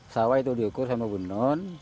sawah itu diukur sama benun